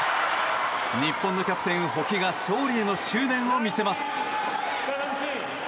日本のキャプテン、保木が勝利への執念を見せます。